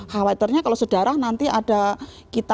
hal hal terakhirnya kalau sedarah nanti ada kita